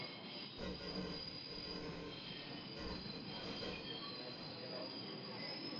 硝酸盐及亚硝酸盐都是常见的食物防腐剂。